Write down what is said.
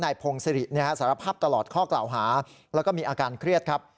พงศิริสารภาพตลอดข้อกล่าวหาแล้วก็มีอาการเครียดครับ